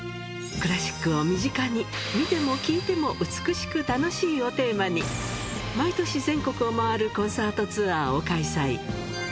クラシックを身近に、観ても聴いても美しく楽しいをテーマに、毎年全国を回るコンサートツアーを開催。